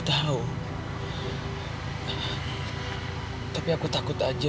tapi aku takut aja